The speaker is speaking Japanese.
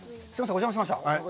お邪魔しました。